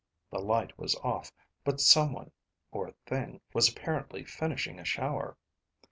The light was off, but someone, or thing, was apparently finishing a shower.